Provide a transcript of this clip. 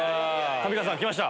上川さんきました。